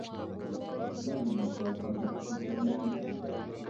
شۇ يىللاردا بۇنداق ئىمكانىيەت يوق ئىدى.